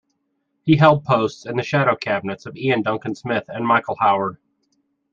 He held posts in the shadow cabinets of Iain Duncan Smith and Michael Howard.